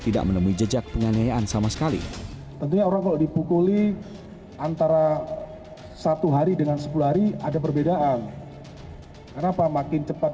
tentunya orang kalau dipukuli antara satu hari dengan sepuluh hari ada perbedaan kenapa makin cepat